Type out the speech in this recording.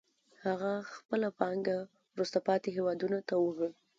هغه خپله پانګه وروسته پاتې هېوادونو ته وړي